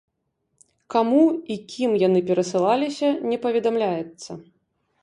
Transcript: Каму і кім яны перасылаліся, не паведамляецца.